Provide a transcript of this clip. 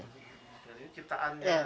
dan ini ceritaannya